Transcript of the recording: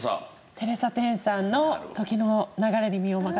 テレサ・テンさんの『時の流れに身をまかせ』。